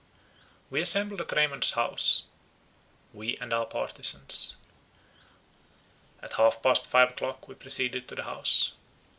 We assembled at Raymond's house, we and our partizans. At half past five o'clock we proceeded to the House.